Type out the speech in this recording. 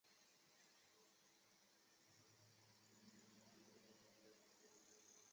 乐团演奏柴可夫斯基及肖斯塔科维奇的作品最为著名。